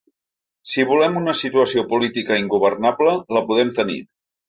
Si volem una situació política ingovernable, la podem tenir.